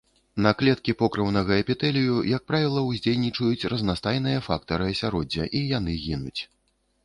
На клеткі покрыўнага эпітэлію, як правіла, уздзейнічаюць разнастайныя фактары асяроддзя, і яны гінуць.